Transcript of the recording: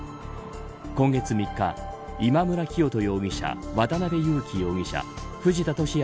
今月３日、今村磨人容疑者渡辺優樹容疑者藤田聖也